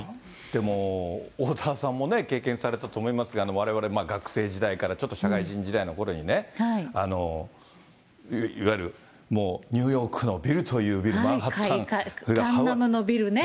でも、おおたわさんも経験されたと思いますが、われわれ学生時代から、ちょっと社会人時代のころにね、いわゆるもう、ニューヨークのビルというビル、マンハッタン。